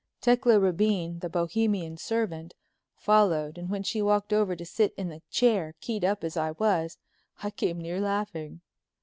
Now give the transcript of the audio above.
Tecla Rabine, the Bohemian servant, followed, and when she walked over to sit in the chair, keyed up as I was, I came near laughing.